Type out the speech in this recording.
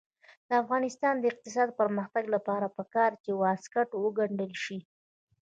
د افغانستان د اقتصادي پرمختګ لپاره پکار ده چې واسکټ وګنډل شي.